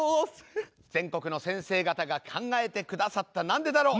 全国の先生方が考えて下さった「なんでだろう」